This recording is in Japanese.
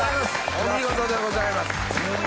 お見事でございます。